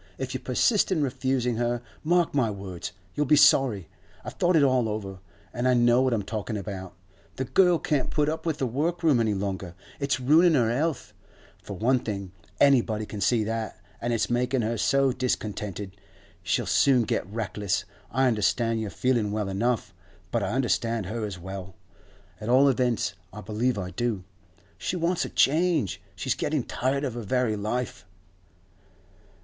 If you persist in refusing her, mark my words, you'll be sorry. I've thought it all over, and I know what I'm talking about. The girl can't put up with the work room any longer. It's ruining her health, for one thing, anybody can see that, and it's making her so discontented, she'll soon get reckless. I understand your feeling well enough, but I understand her as well; at all events, I believe I do. She wants a change; she's getting tired of her very life.